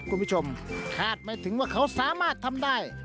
คุณผู้ชมคาดไม่ถึงว่าเขาสามารถทำได้